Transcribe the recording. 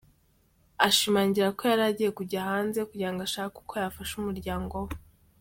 Ashimangira ko yari agiye kujya hanze kugirango ashake uko yafasha umuryango we.